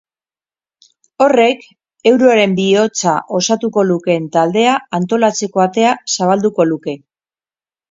Horrek euroaren bihotza osatuko lukeen taldea antolatzeko atea zabalduko luke.